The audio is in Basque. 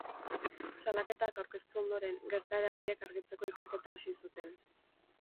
Salaketak aurkeztu ondoren, gertaera horiek argitzeko ikerketa hasi zuten.